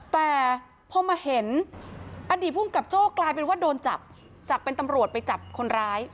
แต่พอมาเห็นอดีตภูมิกับโจ้กลายเป็นว่าโดนจับจากเป็นตำรวจไปจับคนร้าย